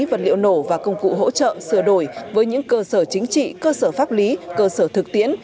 vật liệu nổ và công cụ hỗ trợ sửa đổi với những cơ sở chính trị cơ sở pháp lý cơ sở thực tiễn